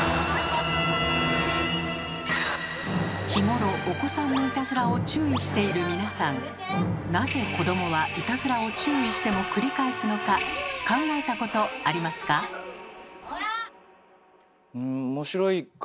日頃お子さんのいたずらを注意している皆さんなぜ子どもはいたずらを注意しても繰り返すのか考えたことありますか？